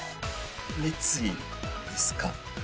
熱意ですか？